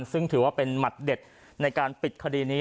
ซึ่งถือว่าเป็นหมัดเด็ดในการปิดคดีนี้